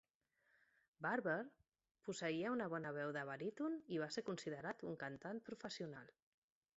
Barber posseïa una bona veu de baríton i va ser considerat un cantant professional.